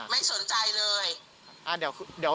ไม่สนใจเลย